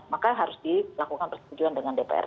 maka harus dilakukan persetujuan dengan dpr